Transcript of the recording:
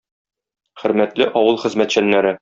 Хөрмәтле авыл хезмәтчәннәре!